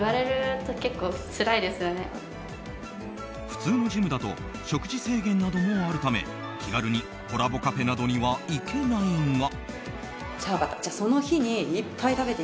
普通のジムだと食事制限などもあるため気軽にコラボカフェなどには行けないが。